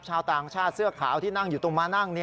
ชาวต่างชาติเสื้อขาวที่นั่งอยู่ตรงมานั่ง